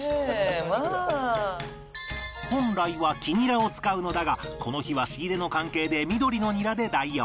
本来は黄ニラを使うのだがこの日は仕入れの関係で緑のニラで代用